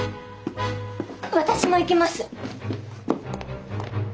私も行きます。